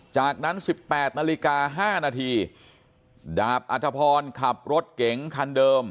จากนั้น๑๘นาฬิกา๕นาทีดาบอัธพรขับรถเก๋งคันเดิม